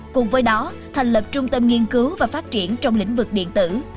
cùng với đó thành lập trung tâm nghiên cứu và phát triển trong lĩnh vực điện tử